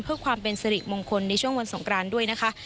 เพื่อความเป็นสิริมงคลในช่วงวันสงครานด้วยนะคะ